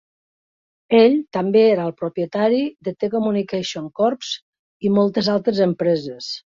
Ell també era el propietari de The Communications Corp i moltes altres empreses.